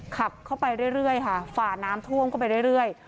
ขับเข้าไปเรื่อยเรื่อยค่ะฝ่าน้ำท่วมเข้าไปเรื่อยเรื่อย